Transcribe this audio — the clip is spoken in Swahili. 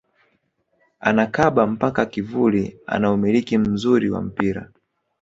Anakaba mpaka kivuli ana umiliki mzuri wa mpira